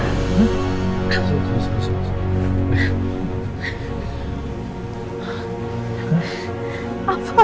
masuk masuk masuk